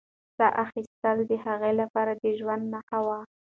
ساه اخیستل د هغې لپاره د ژوند نښه وه.